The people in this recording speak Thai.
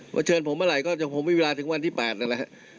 เชิญผมเมื่อไหร่ก็ยังคงมีเวลาถึงวันที่๘นั่นแหละ